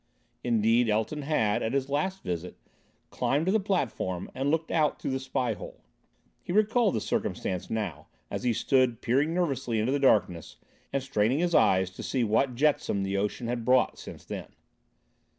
Indeed, Elton had, at his last visit, climbed to the platform and looked out through the spy hole. He recalled the circumstance now, as he stood, peering nervously into the darkness, and straining his eyes to see what jetsam the ocean had brought since then.